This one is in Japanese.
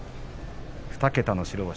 ２桁の白星